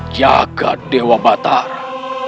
jaga dewa batara